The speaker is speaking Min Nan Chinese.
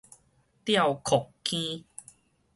吊硞坑